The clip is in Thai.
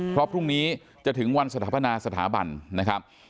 เพราะพรุ่งนี้จะถึงวันสถาปนาสถาบันนะครับ